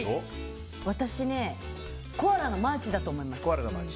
私ね、コアラのマーチだと思います。